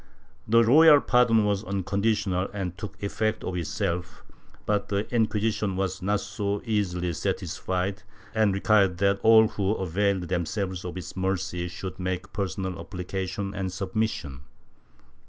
The royal pardon was unconditional and took effect of itself, but the Inc{uisition was not so easily satisfied and required that all who availed themselves of its mercy should make personal appli cation and submission.